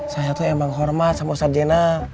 saya tuh emang hormat sama ustadz jena